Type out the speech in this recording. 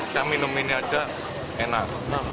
saya minum ini aja enak